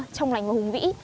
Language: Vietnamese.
trong lành và hùng vĩ